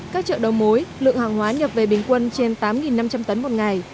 các chợ đầu mối lượng hàng hóa nhập về bình quân trên tám năm trăm linh tấn một ngày